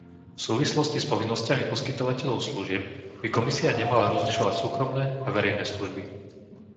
V súvislosti s povinnosťami poskytovateľov služieb by Komisia nemala rozlišovať súkromné a verejné služby.